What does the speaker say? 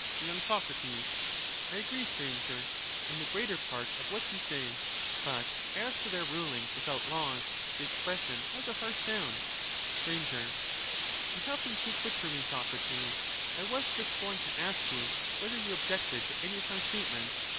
y. Sac, I agree, Stranger, in the greater part of what you say ; but as to their ruling without laws — the expression has a harsh sound. Sir. You have been too quick for me, Socrates; I was just 294 going to ask you whether you objected to any of my state ments.